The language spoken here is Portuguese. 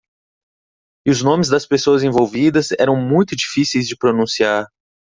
E os nomes das pessoas envolvidas eram muito difíceis de pronunciar.